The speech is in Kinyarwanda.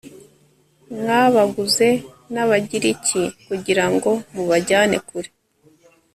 mwabaguze n Abagiriki kugira ngo mubajyane kure